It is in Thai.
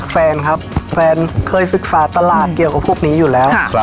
แฟนครับแฟนเคยศึกษาตลาดเกี่ยวกับพวกนี้อยู่แล้ว